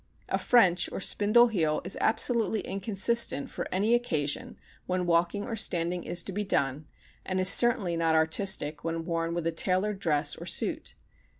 A French or spindle heel is absolutely inconsistent for any occasion when walking or standing is to be done and is certainly not artistic when worn with a tailored dress or suit.